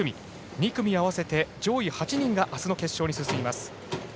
２組合わせて上位８人があすの決勝に進みます。